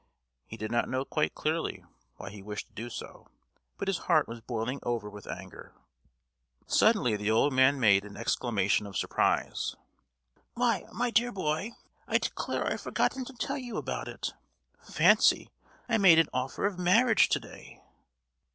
He did not know quite clearly why he wished to do so, but his heart was boiling over with anger. Suddenly the old man made an exclamation of surprise. "Why, my dear boy, I declare I've forgotten to tell you about it. Fancy, I made an offer of marriage to day!"